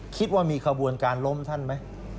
คิดว่ามีขบวนการล้มท่านไหม